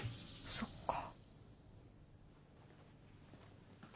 そっか。